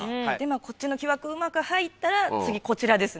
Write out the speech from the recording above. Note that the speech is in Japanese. こっちの木枠うまく入ったら次こちらですね。